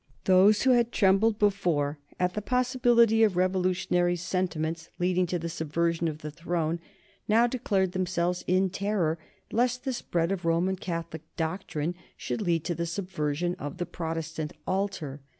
Those who had trembled before at the possibility of revolutionary sentiments leading to the subversion of the throne, now declared themselves in terror lest the spread of Roman Catholic doctrine should lead to the subversion of the Protestant altar.